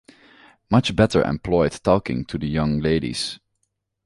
Much better employed talking to the young ladies.